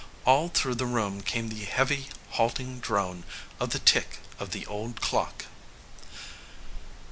All through the room came the heavy halting drone of the tick of the old clock.